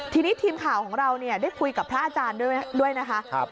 ทีนี้ทีมข่าวของเราได้คุยกับพระอาจารย์ด้วยนะคะ